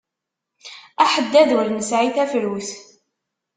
Aḥeddad ur nesɛi tafrut!